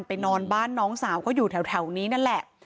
นอนบ้านน้องสาวก็อยู่แถวนี้นั่นแหละ